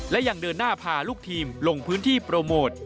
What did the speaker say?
และยังเดินหน้าพาลูกทีมลงพื้นที่โปรโมท